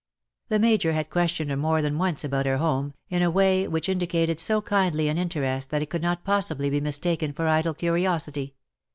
The Major had questioned her more than once about her home, in a way which indicated so kindly an interest that it could not possibly be mistaken for idle curiosity.